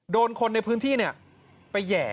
โดนคนในพื้นที่เเนี่ยไปแหย่